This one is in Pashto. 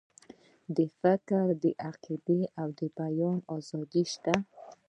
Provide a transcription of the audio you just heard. د فکر، عقیدې او بیان آزادي شته.